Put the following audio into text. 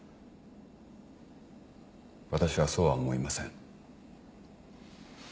私はそうは思いません。